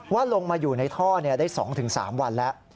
ลงมาอยู่ในท่อได้๒๓วันแล้ว